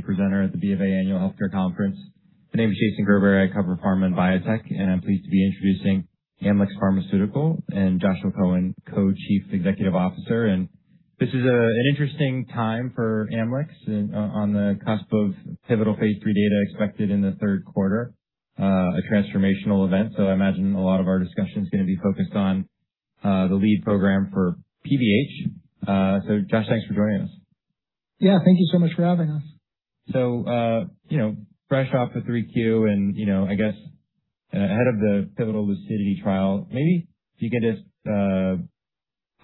Company presenter at the BofA Annual Healthcare Conference. My name is Jason Gerber. I cover pharm and biotech. I'm pleased to be introducing Amylyx Pharmaceuticals and Joshua Cohen, Co-Chief Executive Officer. This is an interesting time for Amylyx on the cusp of pivotal phase III data expected in the third quarter, a transformational event. I imagine a lot of our discussion is gonna be focused on the lead program for PBH. Josh, thanks for joining us. Thank you so much for having us. You know, fresh off the 3Q and, you know, I guess, ahead of the pivotal LUCIDITY trial, maybe you could just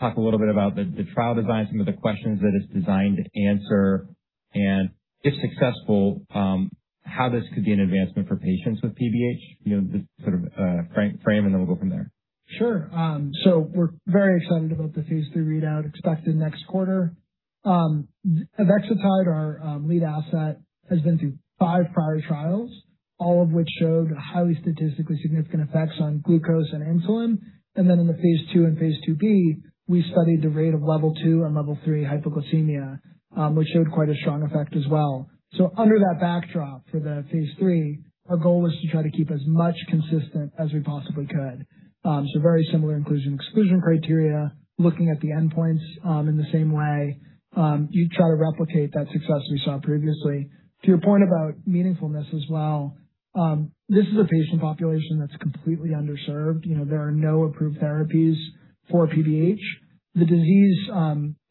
talk a little bit about the trial design, some of the questions that it's designed to answer, and if successful, how this could be an advancement for patients with PBH. You know, just sort of, frame, and then we'll go from there. Sure. We're very excited about the Phase III readout expected next quarter. AVEXITIDE, our lead asset, has been through five prior trials, all of which showed highly statistically significant effects on glucose and insulin. In the phase II and phase II-B, we studied the rate of level two and level three hypoglycemia, which showed quite a strong effect as well. Under that backdrop for the phase III, our goal was to try to keep as much consistent as we possibly could. Very similar inclusion, exclusion criteria, looking at the endpoints in the same way. You try to replicate that success we saw previously. To your point about meaningfulness as well, this is a patient population that's completely underserved. You know, there are no approved therapies for PBH. The disease,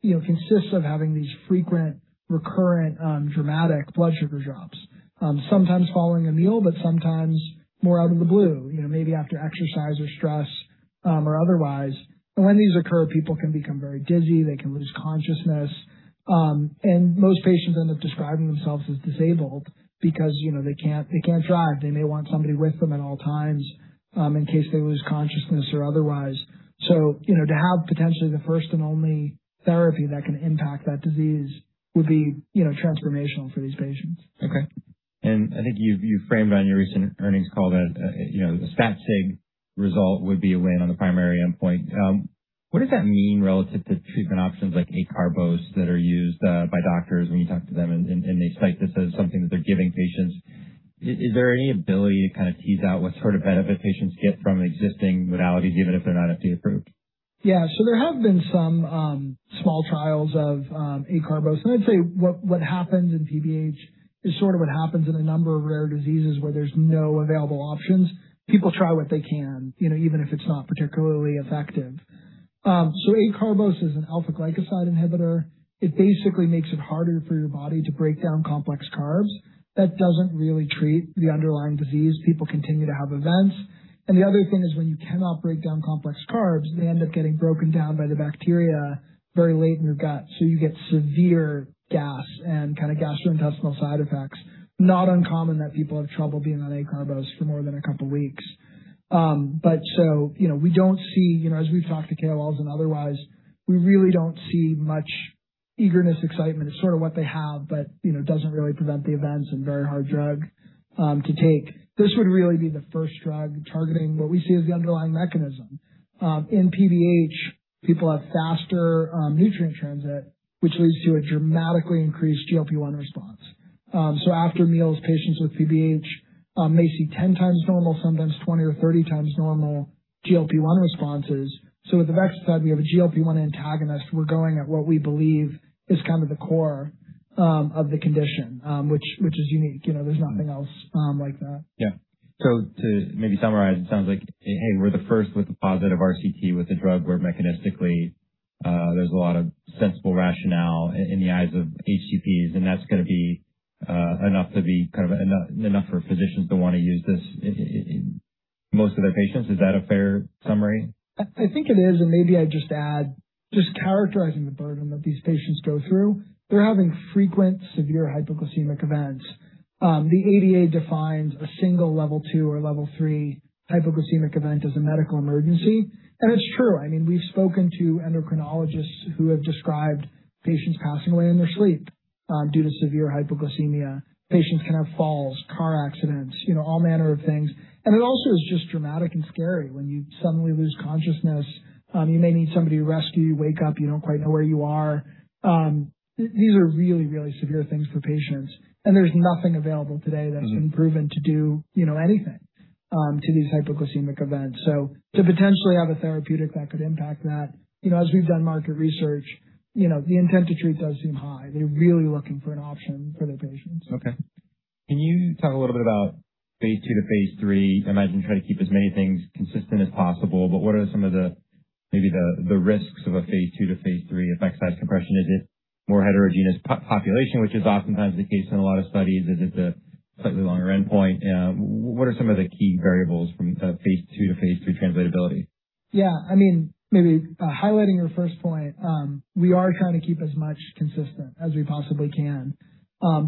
you know, consists of having these frequent, recurrent, dramatic blood sugar drops, sometimes following a meal, but sometimes more out of the blue, you know, maybe after exercise or stress, or otherwise. When these occur, people can become very dizzy, they can lose consciousness. Most patients end up describing themselves as disabled because, you know, they can't, they can't drive. They may want somebody with them at all times, in case they lose consciousness or otherwise. You know, to have potentially the first and only therapy that can impact that disease would be, you know, transformational for these patients. Okay. I think you framed on your recent earnings call that, you know, the stat sig result would be a win on the primary endpoint. What does that mean relative to treatment options like acarbose that are used by doctors when you talk to them and they cite this as something that they're giving patients? Is there any ability to kind of tease out what sort of benefit patients get from existing modalities, even if they're not FDA approved? There have been some small trials of acarbose, and I'd say what happens in PBH is sort of what happens in a number of rare diseases where there's no available options. People try what they can, you know, even if it's not particularly effective. Acarbose is an alpha-glucosidase inhibitor. It basically makes it harder for your body to break down complex carbs. That doesn't really treat the underlying disease. People continue to have events. The other thing is when you cannot break down complex carbs, they end up getting broken down by the bacteria very late in your gut, so you get severe gas and kinda gastrointestinal side effects. Not uncommon that people have trouble being on acarbose for more than a couple weeks. You know, we don't see, you know, as we've talked to KOLs and otherwise, we really don't see much eagerness, excitement. It's sort of what they have, but, you know, doesn't really prevent the events and very hard drug to take. This would really be the first drug targeting what we see as the underlying mechanism. In PBH, people have faster nutrient transit, which leads to a dramatically increased GLP-1 response. After meals, patients with PBH may see 10 times normal, sometimes 20 or 30 times normal GLP-1 responses. With AVEXITIDE, we have a GLP-1 antagonist. We're going at what we believe is kind of the core of the condition, which is unique. You know, there's nothing else like that. Yeah. To maybe summarize, it sounds like, hey, we're the first with a positive RCT with a drug where mechanistically, there's a lot of sensible rationale in the eyes of HCPs, and that's gonna be enough to be kind of enough for physicians to wanna use this in most of their patients. Is that a fair summary? I think it is, and maybe I'd just add, just characterizing the burden that these patients go through, they're having frequent severe hypoglycemic events. The ADA defines a single level two or level three hypoglycemic event as a medical emergency. It's true. I mean, we've spoken to endocrinologists who have described patients passing away in their sleep due to severe hypoglycemia. Patients can have falls, car accidents, you know, all manner of things. It also is just dramatic and scary when you suddenly lose consciousness. You may need somebody to rescue you, wake up, you don't quite know where you are. These are really, really severe things for patients, and there's nothing available today that's been proven to do, you know, anything, to these hypoglycemic events. To potentially have a therapeutic that could impact that, you know, as we've done market research, you know, the intent to treat does seem high. They're really looking for an option for their patients. Okay. Can you talk a little bit about phase II to phase III? I imagine try to keep as many things consistent as possible, but what are some of the, maybe the risks of a phase II to phase III effect size compression? Is it more heterogeneous population, which is oftentimes the case in a lot of studies? Is it a slightly longer endpoint? What are some of the key variables from phase II to phase III translatability? Yeah. I mean, maybe highlighting your first point, we are trying to keep as much consistent as we possibly can.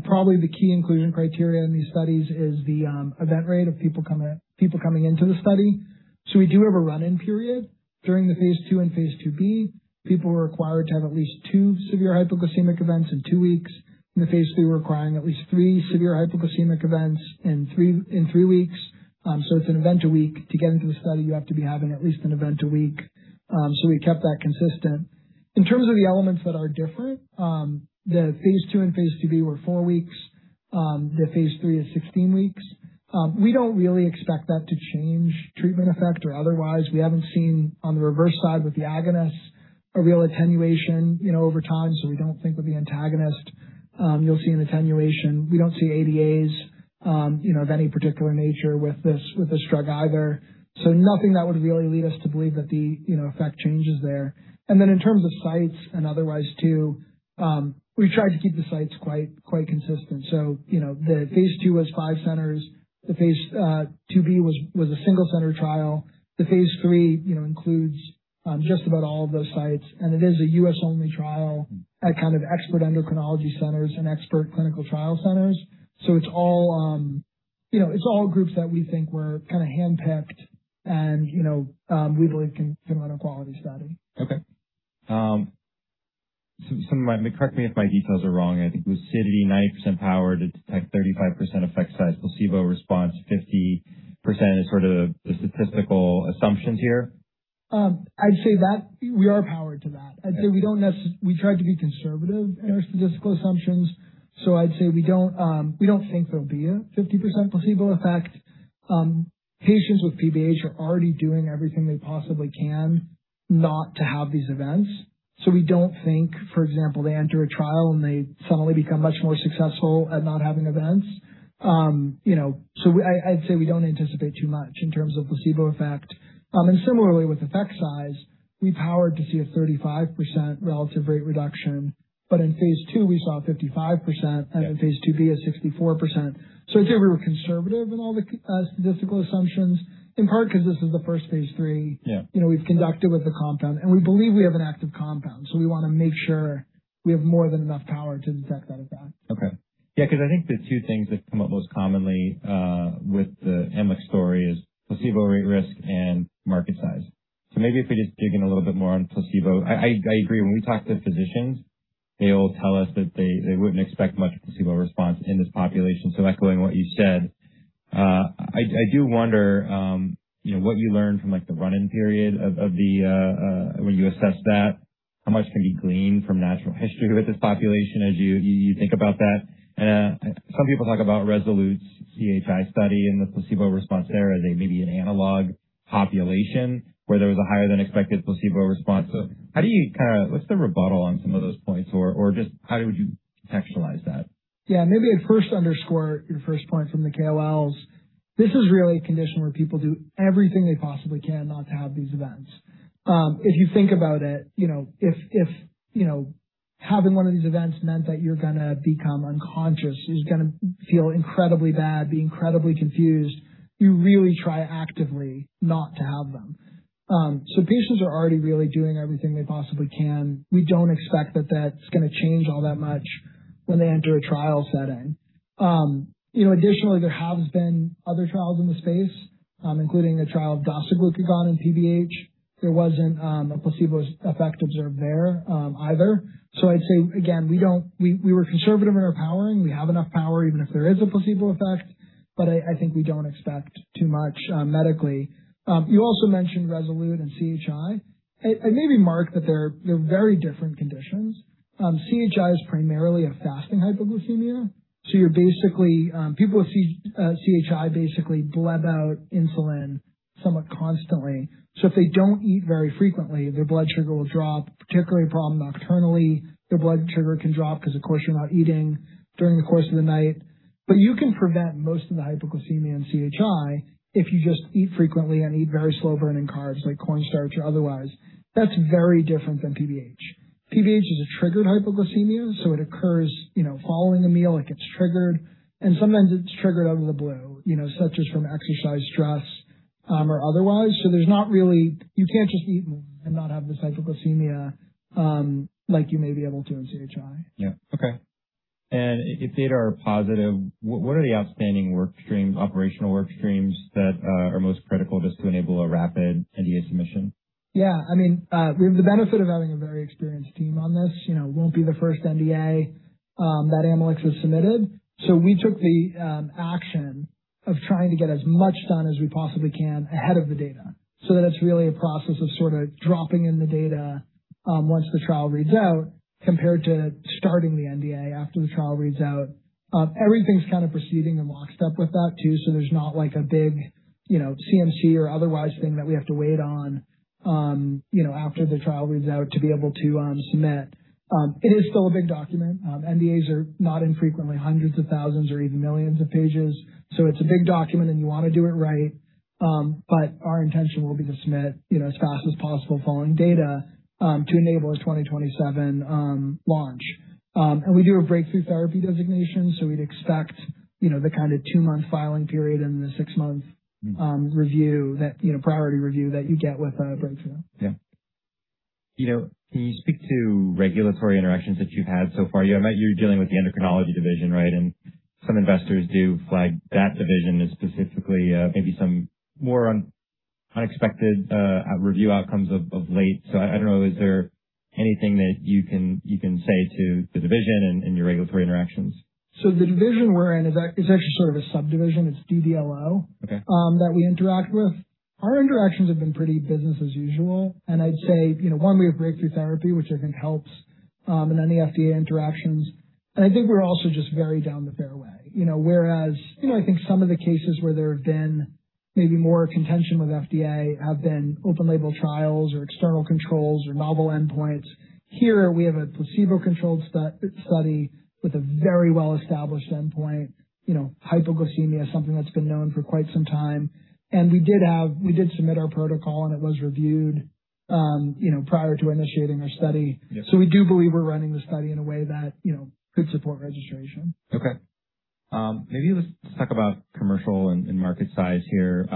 Probably the key inclusion criteria in these studies is the event rate of people coming into the study. We do have a run-in period. During the phase II and phase II-B, people were required to have at least two severe hypoglycemic events in two weeks. In the phase III, we're requiring at least three severe hypoglycemic events in three weeks. It's an event a week. To get into the study, you have to be having at least an event a week. We kept that consistent. In terms of the elements that are different, the phase II and phase II-B were four weeks. The phase III is 16 weeks. We don't really expect that to change treatment effect or otherwise. We haven't seen on the reverse side with the agonist a real attenuation, you know, over time, so we don't think with the antagonist, you'll see an attenuation. We don't see ADAs, you know, of any particular nature with this, with this drug either. Nothing that would really lead us to believe that the, you know, effect change is there. In terms of sites and otherwise too, we tried to keep the sites quite consistent. You know, the phase II was five centers. The phase II-B was a single center trial. The phase III, you know, includes just about all of those sites, and it is a U.S. only trial at kind of expert endocrinology centers and expert clinical trial centers. It's all, you know, it's all groups that we think were kind of handpicked and, you know, we believe can run a quality study. Okay. Correct me if my details are wrong. I think LUCIDITY, 90% power to detect 35% effect size, placebo response 50% is sort of the statistical assumptions here. I'd say that we are powered to that. We tried to be conservative in our statistical assumptions. I'd say we don't, we don't think there'll be a 50% placebo effect. Patients with PBH are already doing everything they possibly can not to have these events. We don't think, for example, they enter a trial, and they suddenly become much more successful at not having events. You know, I'd say we don't anticipate too much in terms of placebo effect. Similarly with effect size, we powered to see a 35% relative rate reduction, but in phase II we saw 55%. Yeah. In phase II-B, a 64%. I'd say we were conservative in all the statistical assumptions, in part because this is the first phase III. Yeah. You know, we've conducted with the compound. We believe we have an active compound. We wanna make sure we have more than enough power to detect that effect. Okay. Yeah, 'cause I think the two things that come up most commonly with the Amylyx story is placebo rate risk and market size. Maybe if we just dig in a little bit more on placebo. I agree. When we talk to physicians, they will tell us that they wouldn't expect much placebo response in this population. Echoing what you said, I do wonder, you know, what you learned from like the run-in period of the when you assess that, how much can be gleaned from natural history with this population as you think about that? Some people talk about Rezolute's CHI study and the placebo response there as a maybe an analog population where there was a higher than expected placebo response. What's the rebuttal on some of those points or just how would you contextualize that? Maybe I'd first underscore your first point from the KOLs. This is really a condition where people do everything they possibly can not to have these events. If you think about it, you know, if, you know, having one of these events meant that you're gonna become unconscious, you're just gonna feel incredibly bad, be incredibly confused, you really try actively not to have them. Patients are already really doing everything they possibly can. We don't expect that that's gonna change all that much when they enter a trial setting. You know, additionally, there have been other trials in the space, including a trial of dasiglucagon in PBH. There wasn't a placebo effect observed there either. I'd say again, we were conservative in our powering. We have enough power even if there is a placebo effect. I think we don't expect too much medically. You also mentioned Rezolute and CHI. I maybe mark that they're very different conditions. CHI is primarily a fasting hypoglycemia. You're basically people with CHI basically bleb out insulin somewhat constantly. If they don't eat very frequently, their blood sugar will drop, particularly a problem nocturnally. Their blood sugar can drop because of course, you're not eating during the course of the night. You can prevent most of the hypoglycemia in CHI if you just eat frequently and eat very slow-burning carbs like corn starch or otherwise. That's very different than PBH. PBH is a triggered hypoglycemia. It occurs, you know, following a meal. It gets triggered, and sometimes it's triggered out of the blue, you know, such as from exercise stress or otherwise. You can't just eat more and not have this hypoglycemia like you may be able to in CHI. Yeah. Okay. If data are positive, what are the outstanding work streams, operational work streams that are most critical just to enable a rapid NDA submission? Yeah. I mean, we have the benefit of having a very experienced team on this. You know, won't be the first NDA that Amylyx has submitted. We took the action of trying to get as much done as we possibly can ahead of the data so that it's really a process of sort of dropping in the data once the trial reads out compared to starting the NDA after the trial reads out. Everything's kind of proceeding in lockstep with that too, so there's not like a big, you know, CMC or otherwise thing that we have to wait on, you know, after the trial reads out to be able to submit. It is still a big document. NDAs are not infrequently hundreds of thousands or even millions of pages. It's a big document, and you wanna do it right. Our intention will be to submit, you know, as fast as possible following data, to enable a 2027 launch. We do a Breakthrough Therapy designation, so we'd expect, you know, the kinda two month filing period and the six month Review that you know, Priority Review that you get with a Breakthrough. Yeah. You know, can you speak to regulatory interactions that you've had so far? I imagine you're dealing with the endocrinology division, right? Some investors do flag that division as specifically, maybe some more unexpected review outcomes of late. I don't know, is there anything that you can say to the division and your regulatory interactions? The division we're in is actually sort of a subdivision. It's DDLO. Okay. that we interact with. Our interactions have been pretty business as usual. I'd say, you know, one, we have Breakthrough Therapy, which I think helps in any FDA interactions. I think we're also just very down the fairway. You know, whereas, you know, I think some of the cases where there have been maybe more contention with FDA have been open label trials or external controls or novel endpoints. Here we have a placebo-controlled study with a very well-established endpoint, you know, hypoglycemia, something that's been known for quite some time. We did submit our protocol, and it was reviewed, you know, prior to initiating our study. Yeah. We do believe we're running the study in a way that, you know, could support registration. Okay. Maybe let's talk about commercial and market size here.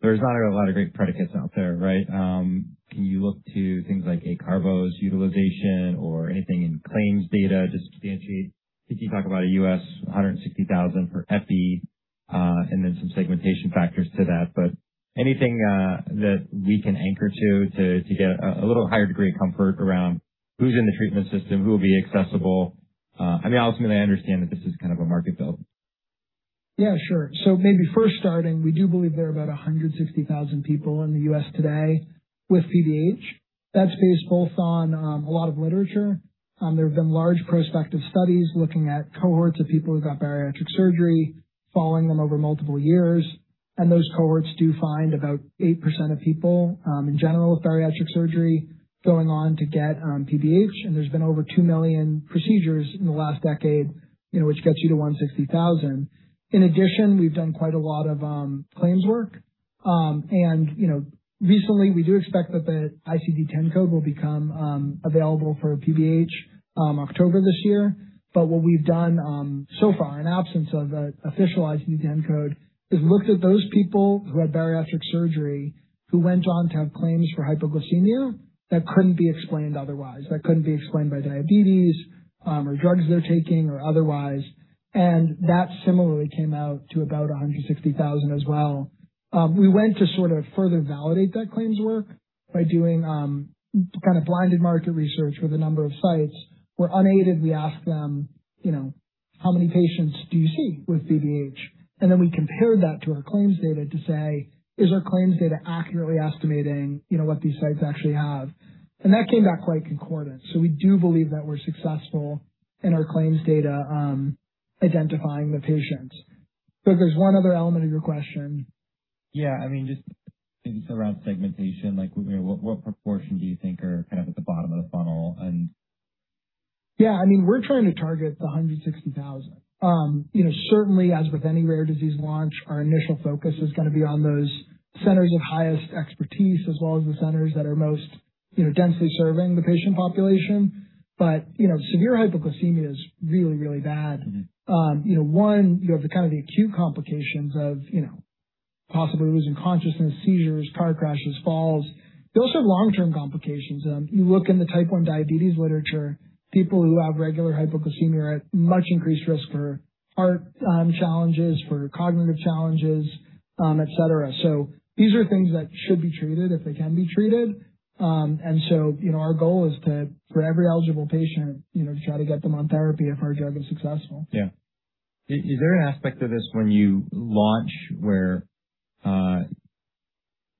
There's not a lot of great predicates out there, right? Can you look to things like Akero's utilization or anything in claims data to substantiate? I think you talk about a U.S. 160,000 for EPI, and then some segmentation factors to that. Anything that we can anchor to to get a little higher degree of comfort around who's in the treatment system, who will be accessible? I mean, ultimately, I understand that this is kind of a market build. Maybe first starting, we do believe there are about 160,000 people in the U.S. today with PBH. That's based both on a lot of literature. There have been large prospective studies looking at cohorts of people who got bariatric surgery, following them over multiple years. Those cohorts do find about 8% of people in general with bariatric surgery going on to get PBH. There's been over 2 million procedures in the last decade, you know, which gets you to 160,000. In addition, we've done quite a lot of claims work. You know, recently we do expect that the ICD-10 code will become available for PBH, October this year. What we've done, so far in absence of a official ICD-10 code, is looked at those people who had bariatric surgery who went on to have claims for hypoglycemia that couldn't be explained otherwise, that couldn't be explained by diabetes or drugs they're taking or otherwise. That similarly came out to about 160,000 as well. We went to sort of further validate that claims work by doing kind of blinded market research with a number of sites where unaided we asked them, you know, "How many patients do you see with PBH?" Then we compared that to our claims data to say, "Is our claims data accurately estimating, you know, what these sites actually have?" That came back quite concordant. We do believe that we're successful in our claims data identifying the patients. There's one other element of your question. Yeah. I mean, just maybe sort of around segmentation, like, you know, what proportion do you think are kind of at the bottom of the funnel? Yeah, I mean, we're trying to target the 160,000. You know, certainly, as with any rare disease launch, our initial focus is gonna be on those centers of highest expertise as well as the centers that are most, you know, densely serving the patient population. You know, severe hypoglycemia is really, really bad. You know, one, you have the kind of the acute complications of, you know, possibly losing consciousness, seizures, car crashes, falls. You also have long-term complications. You look in the type 1 diabetes literature, people who have regular hypoglycemia are at much increased risk for heart challenges, for cognitive challenges, et cetera. These are things that should be treated if they can be treated. You know, our goal is to, for every eligible patient, you know, to try to get them on therapy if our drug is successful. Yeah. Is there an aspect of this when you launch where,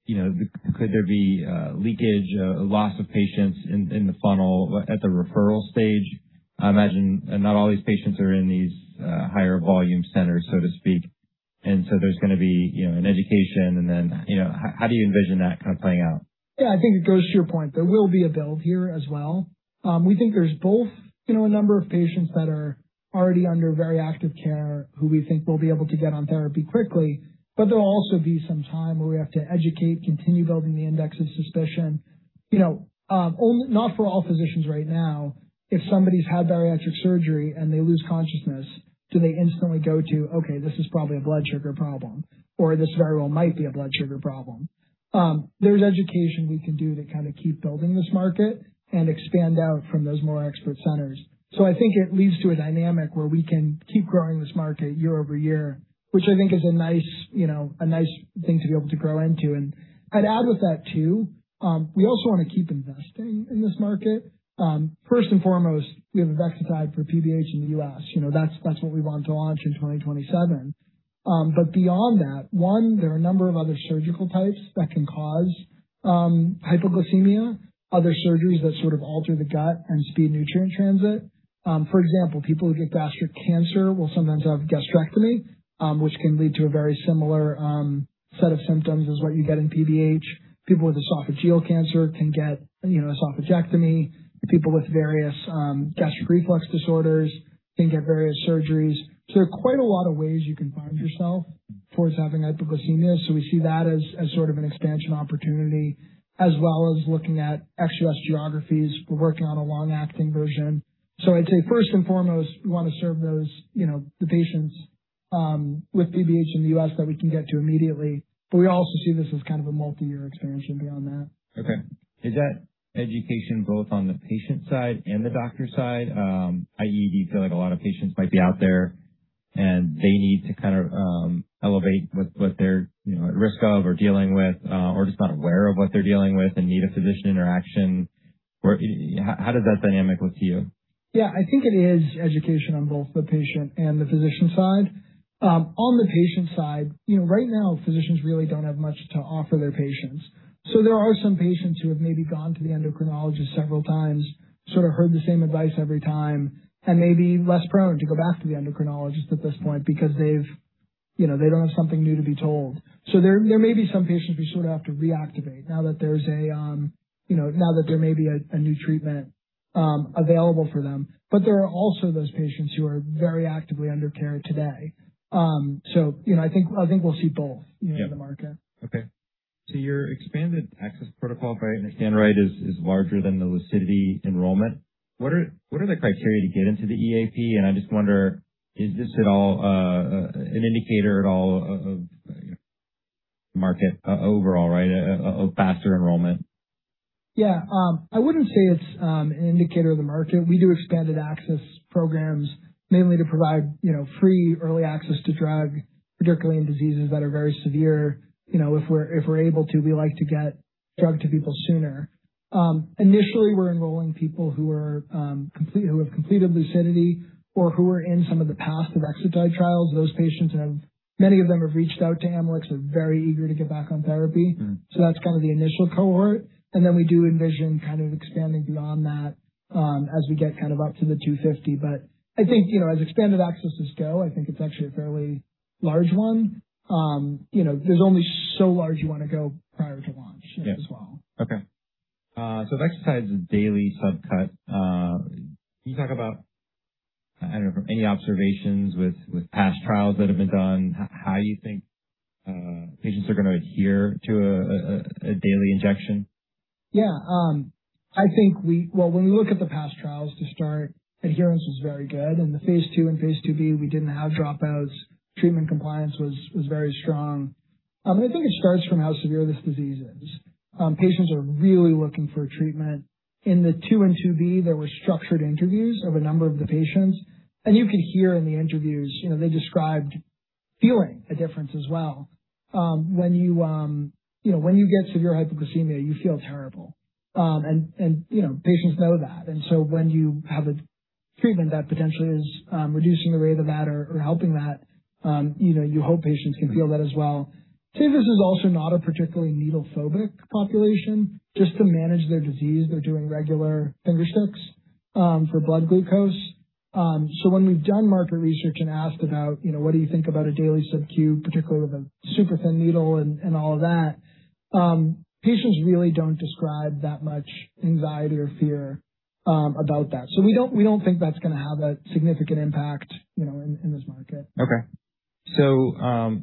you know, could there be leakage, loss of patients in the funnel at the referral stage? Not all these patients are in these higher volume centers, so to speak. There's gonna be, you know, an education and then, you know how do you envision that kind of playing out? Yeah, I think it goes to your point. There will be a build here as well. We think there's both, you know, a number of patients that are already under very active care who we think will be able to get on therapy quickly. There'll also be some time where we have to educate, continue building the index of suspicion. You know, not for all physicians right now, if somebody's had bariatric surgery and they lose consciousness, do they instantly go to, "Okay, this is probably a blood sugar problem," or, "This very well might be a blood sugar problem"? There's education we can do to kinda keep building this market and expand out from those more expert centers. I think it leads to a dynamic where we can keep growing this market year over year, which I think is a nice, you know, a nice thing to be able to grow into. I'd add with that too, we also wanna keep investing in this market. First and foremost, we have AVEXITIDE for PBH in the U.S. You know, that's what we want to launch in 2027. Beyond that, there are a number of other surgical types that can cause hypoglycemia, other surgeries that sort of alter the gut and speed nutrient transit. For example, people who get gastric cancer will sometimes have gastrectomy, which can lead to a very similar set of symptoms as what you get in PBH. People with esophageal cancer can get, you know, esophagectomy. People with various gastric reflux disorders can get various surgeries. There are quite a lot of ways you can find yourself towards having hypoglycemia, so we see that as sort of an expansion opportunity as well as looking at ex-US geographies. We're working on a long-acting version. I'd say first and foremost, we wanna serve those, you know, the patients with PBH in the U.S. that we can get to immediately. We also see this as kind of a multi-year expansion beyond that. Okay. Is that education both on the patient side and the doctor side? i.e., do you feel like a lot of patients might be out there and they need to kind of elevate what they're, you know, at risk of or dealing with, or just not aware of what they're dealing with and need a physician interaction. How does that dynamic look to you? Yeah, I think it is education on both the patient and the physician side. On the patient side, you know, right now, physicians really don't have much to offer their patients. There are some patients who have maybe gone to the endocrinologist several times, sort of heard the same advice every time, and may be less prone to go back to the endocrinologist at this point because they've, you know, they don't have something new to be told. There, there may be some patients we sort of have to reactivate now that there's a, you know, now that there may be a new treatment available for them. There are also those patients who are very actively under care today. You know, I think we'll see both in the market. Your expanded access protocol, if I understand right, is larger than the LUCIDITY enrollment. What are the criteria to get into the EAP? I just wonder, is this at all an indicator at all of market overall, right, a faster enrollment? Yeah. I wouldn't say it's an indicator of the market. We do expanded access programs mainly to provide, you know, free early access to drug, particularly in diseases that are very severe. You know, if we're able to, we like to get drug to people sooner. Initially, we're enrolling people who have completed LUCIDITY or who are in some of the past AVEXITIDE trials. Those patients, many of them have reached out to Amylyx, are very eager to get back on therapy. That's kind of the initial cohort. We do envision kind of expanding beyond that, as we get kind of up to the 250. I think, you know, as expanded accesses go, I think it's actually a fairly large one. You know, there's only so large you wanna go prior to launch as well. Okay. If AVEXITIDE is a daily subcut, can you talk about, I don't know, any observations with past trials that have been done? How do you think patients are gonna adhere to a daily injection? Yeah. Well, when we look at the past trials to start, adherence was very good. In the phase II and phase II-B, we didn't have dropouts. Treatment compliance was very strong. I think it starts from how severe this disease is. Patients are really looking for treatment. In the phase II and phase II-B, there were structured interviews of a number of the patients. You could hear in the interviews, you know, they described feeling a difference as well. When you know, when you get severe hypoglycemia, you feel terrible. You know, patients know that. When you have a treatment that potentially is reducing the rate of that or helping that, you know, you hope patients can feel that as well. This is also not a particularly needle phobic population. Just to manage their disease, they're doing regular finger sticks for blood glucose. When we've done market research and asked about, you know, what do you think about a daily subcutaneous, particularly with a super thin needle and all of that, patients really don't describe that much anxiety or fear about that. We don't, we don't think that's gonna have a significant impact, you know, in this market. Okay.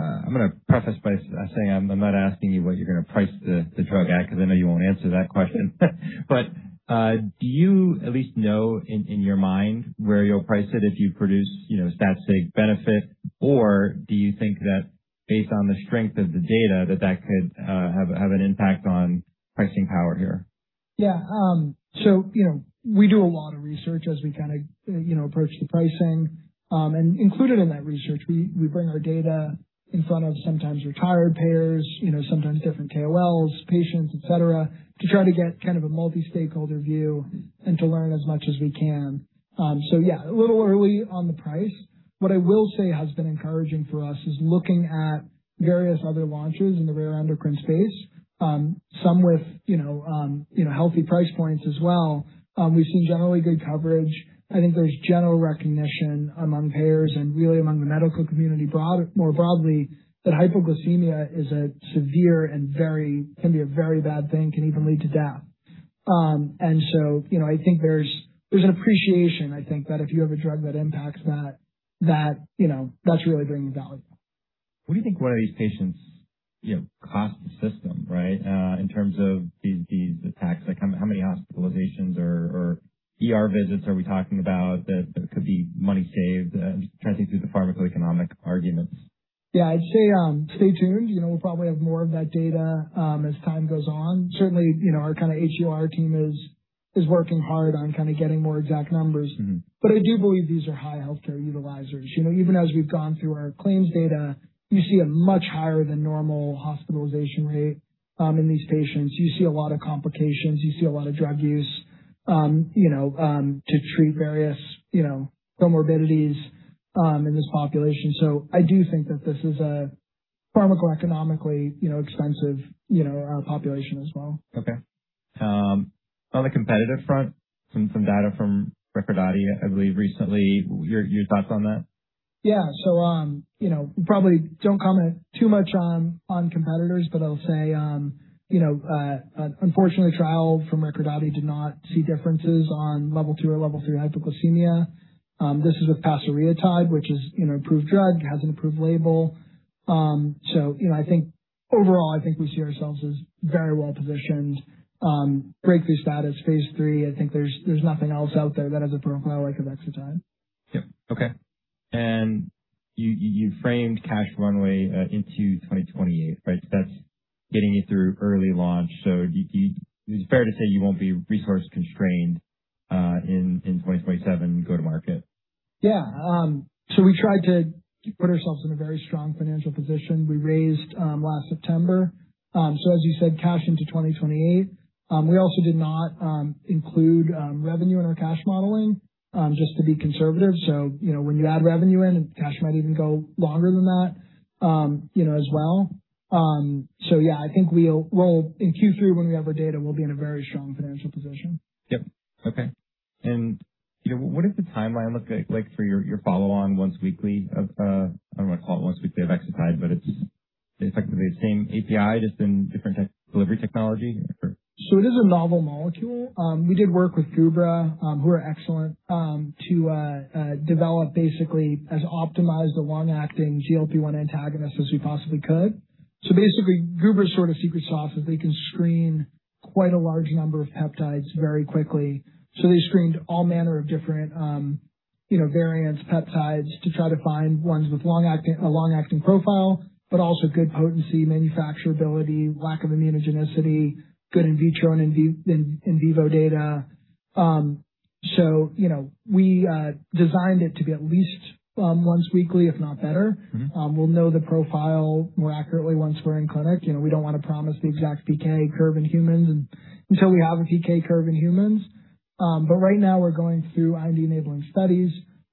I'm gonna preface by saying I'm not asking you what you're gonna price the drug at because I know you won't answer that question. Do you at least know in your mind where you'll price it if you produce, you know, stat sig benefit? Or do you think that based on the strength of the data, that could have an impact on pricing power here? Yeah. You know, we do a lot of research as we kind of, you know, approach the pricing. Included in that research, we bring our data in front of sometimes retired payers, you know, sometimes different KOLs, patients, et cetera, to try to get kind of a multi-stakeholder view and to learn as much as we can. Yeah, a little early on the price. What I will say has been encouraging for us is looking at various other launches in the rare endocrine space, some with, you know, healthy price points as well. We've seen generally good coverage. I think there's general recognition among payers and really among the medical community more broadly, that hypoglycemia is a severe and can be a very bad thing, can even lead to death. You know, I think there's an appreciation, I think that if you have a drug that impacts that, you know, that's really bringing value. What do you think one of these patients, you know, cost the system, right? In terms of these attacks, like how many hospitalizations or ER visits are we talking about that could be money saved? I'm just trying to think through the pharmacoeconomic arguments. Yeah. I'd say, stay tuned. You know, we'll probably have more of that data as time goes on. Certainly, you know, our kinda HEOR team is working hard on kinda getting more exact numbers. I do believe these are high healthcare utilizers. You know, even as we've gone through our claims data, you see a much higher than normal hospitalization rate, in these patients. You see a lot of complications, you see a lot of drug use, you know, to treat various, you know, comorbidities, in this population. I do think that this is a pharmacoeconomically, you know, expensive, population as well. Okay. On the competitive front, some data from Recordati, I believe recently. Your thoughts on that? Yeah. you know, probably don't comment too much on competitors, I'll say, you know, unfortunately, trial from Recordati did not see differences on level two or level three hypoglycemia. This is with pasireotide, which is an approved drug, has an approved label. you know, I think overall, I think we see ourselves as very well-positioned. Breakthrough status, phase III. I think there's nothing else out there that has a profile like AVEXITIDE. Yep. Okay. You framed cash runway into 2028, right? That's getting you through early launch. Is it fair to say you won't be resource constrained in 2027 go to market? Yeah. We tried to put ourselves in a very strong financial position. We raised last September. As you said, cash into 2028. We also did not include revenue in our cash modeling just to be conservative. When you add revenue in, and cash might even go longer than that, you know, as well. I think we'll in Q3 when we have our data, we'll be in a very strong financial position. Yep. Okay. You know, what does the timeline look like for your follow on once weekly of, I don't want to call it once weekly of AVEXITIDE, but it's effectively the same API, just in different types of delivery technology? It is a novel molecule. We did work with Gubra, who are excellent, to develop basically as optimized a long-acting GLP-1 antagonist as we possibly could. Basically, Gubra's sort of secret sauce is they can screen quite a large number of peptides very quickly. They screened all manner of different, you know, variants, peptides to try to find ones with long-acting, a long-acting profile, but also good potency, manufacturability, lack of immunogenicity, good in vitro and in vivo data. You know, we designed it to be at least once weekly, if not better. We'll know the profile more accurately once we're in clinic. You know, we don't wanna promise the exact PK curve in humans until we have a PK curve in humans. Right now we're going through IND-enabling studies.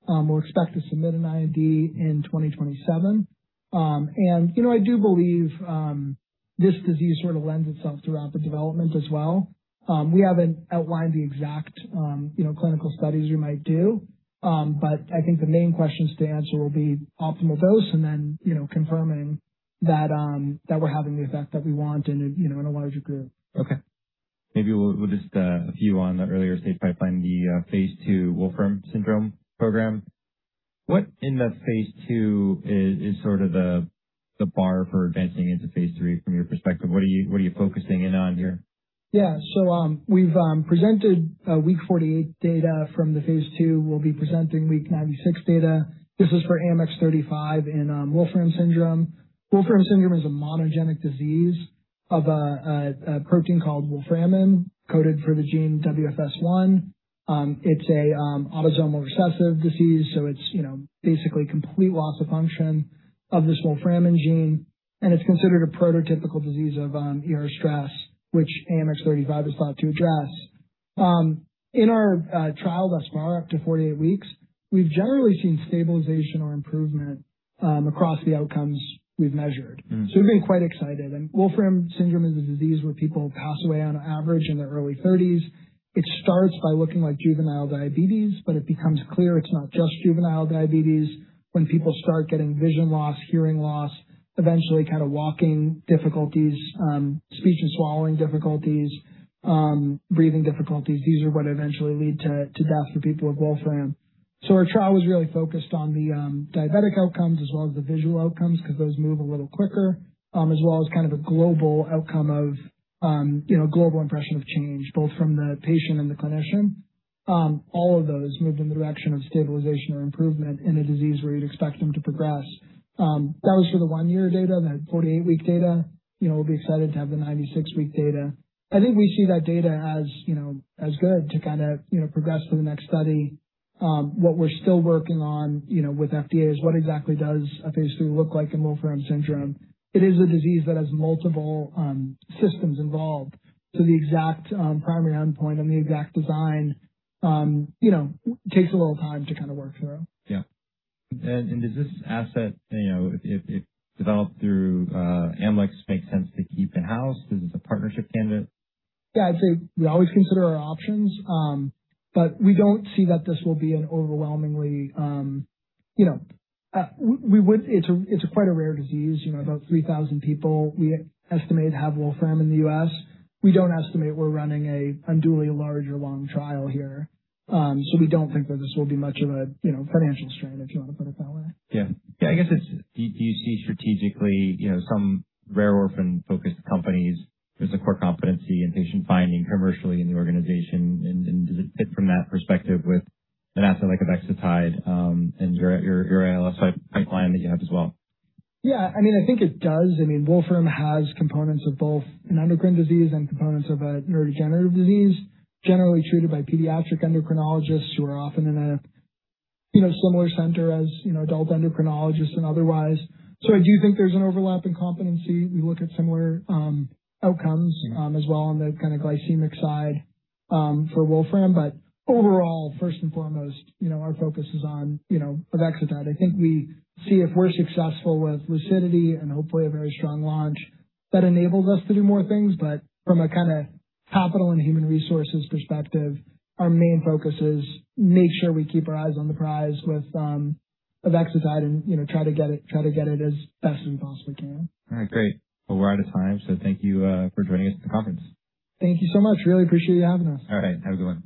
We'll expect to submit an IND in 2027. You know, I do believe this disease sort of lends itself throughout the development as well. We haven't outlined the exact, you know, clinical studies we might do, I think the main questions to answer will be optimal dose and then, you know, confirming that we're having the effect that we want and, you know, in a larger group. Okay. Maybe we'll just, a few on the earlier stage pipeline, the phase II Wolfram syndrome program. What in the phase II is sort of the bar for advancing into phase III from your perspective? What are you focusing in on here? Yeah. We've presented week 48 data from the phase II. We'll be presenting week 96 data. This is for AMX0035 in Wolfram syndrome. Wolfram syndrome is a monogenic disease of a protein called Wolframin, coded for the gene WFS1. It's a autosomal recessive disease, so it's, you know, basically complete loss of function of this Wolframin gene, and it's considered a prototypical disease of ER stress, which AMX0035 is thought to address. In our trial thus far, up to 48 weeks, we've generally seen stabilization or improvement across the outcomes we've measured. We've been quite excited. Wolfram syndrome is a disease where people pass away on average in their early 30s. It starts by looking like juvenile diabetes, but it becomes clear it's not just juvenile diabetes when people start getting vision loss, hearing loss, eventually kind of walking difficulties, speech and swallowing difficulties, breathing difficulties. These are what eventually lead to death for people with Wolfram. Our trial was really focused on the diabetic outcomes as well as the visual outcomes because those move a little quicker, as well as kind of a global outcome of, you know, global impression of change, both from the patient and the clinician. All of those moved in the direction of stabilization or improvement in a disease where you'd expect them to progress. That was for the one-year data, the 48 week data. You know, we'll be excited to have the 96 week data. I think we see that data as, you know, as good to kind of, you know, progress to the next study. What we're still working on, you know, with FDA is what exactly does a phase III look like in Wolfram syndrome. It is a disease that has multiple systems involved, so the exact primary endpoint and the exact design, you know, takes a little time to kind of work through. Yeah. Does this asset, you know, if developed through Amylyx, make sense to keep in-house? Is it a partnership candidate? Yeah, I'd say we always consider our options. You know, It's quite a rare disease. You know, about 3,000 people we estimate have Wolfram in the U.S. We don't estimate we're running a unduly large or long trial here. We don't think that this will be much of a, you know, financial strain, if you want to put it that way. Yeah. Yeah. I guess it's do you see strategically, you know, some rare orphan-focused companies, there's a core competency in patient finding commercially in the organization and does it fit from that perspective with an asset like AVEXITIDE, and your ALS pipeline that you have as well? Yeah. I mean, I think it does. I mean, Wolfram has components of both an endocrine disease and components of a neurodegenerative disease, generally treated by pediatric endocrinologists who are often in a, you know, similar center as, you know, adult endocrinologists and otherwise. I do think there's an overlap in competency. We look at similar outcomes as well on the kinda glycemic side for Wolfram. Overall, first and foremost, you know, our focus is on, you know, AVEXITIDE. I think we see if we're successful with LUCIDITY and hopefully a very strong launch that enables us to do more things. From a kinda capital and human resources perspective, our main focus is make sure we keep our eyes on the prize with AVEXITIDE and, you know, try to get it as best we possibly can. All right. Great. Well, we're out of time, so thank you for joining us at the conference. Thank you so much. Really appreciate you having us. All right. Have a good one.